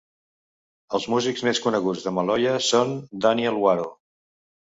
Els músics més coneguts de maloya són Danyel Waro.